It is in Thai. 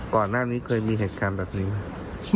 ก่อนหน้านี้เคยมีเหตุการณ์แบบนี้ไหม